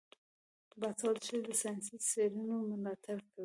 باسواده ښځې د ساینسي څیړنو ملاتړ کوي.